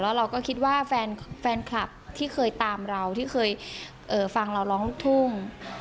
เราก็คิดว่าแฟนคลับที่เคยตามเราที่เคยฟังเราร้องลูกทุ่ง